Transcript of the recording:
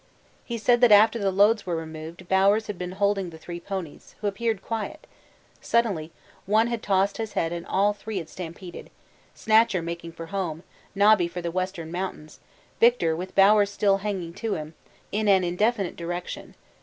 He said that after the loads were removed Bowers had been holding the three ponies, who appeared to be quiet; suddenly one had tossed his head and all three had stampeded Snatcher making for home, Nobby for the Western Mountains, Victor, with Bowers still hanging to him, in an indefinite direction.